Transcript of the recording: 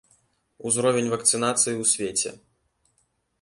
Узровень вакцынацыі ў свеце.